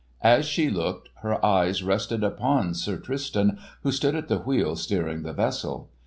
As she looked, her eyes rested upon Sir Tristan who stood at the wheel steering the vessel.